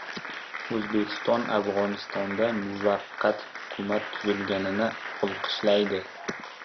O‘zbekiston Afg‘onistonda muvaqqat Hukumat tuzilganini olqishlaydi